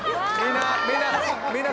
みんな。